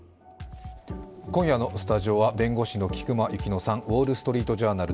今夜のスタジオは弁護士の菊間千乃さん、「ウォール・ストリート・ジャーナル」